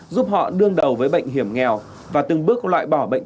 giúp họ đương đầu với bệnh hiểm nghèo và từng bước loại bỏ bệnh